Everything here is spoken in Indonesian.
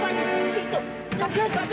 ada apaan di pintu itu